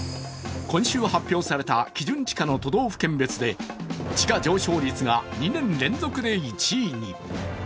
今週発表された基準地価の都道府県別で地価上昇率が２年連続で１位に。